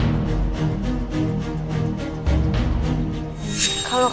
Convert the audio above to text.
tidak apa apa kakak